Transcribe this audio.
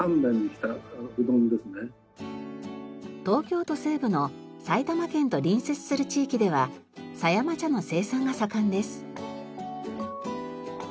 東京都西部の埼玉県と隣接する地域では狭山茶の生産が盛んです。